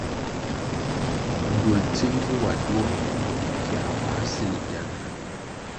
Gywul tsig vi wa duo mbpi duo, viā wā sil gyanah,